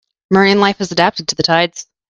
Marine life has adapted to tides.